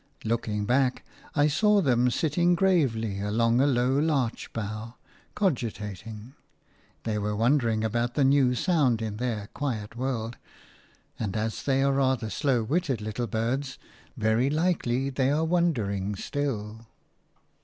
Looking back, I saw them sitting gravely along a low larch bough, cogitating. They were wondering about the new sound in their quiet world, and as they are rather slow witted little birds, very likely they are wondering still.